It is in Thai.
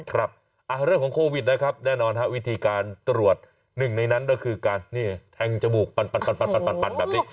เรื่องของโควิดนะครับแน่นอนวิธีการตรวจหนึ่งในนั้นก็คือการแทงจมูกปัดแบบนี้